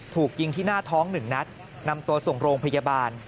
ถูกยิงที่หน้าท้อง๑นัดนำตัวส่งโรงพยาบาล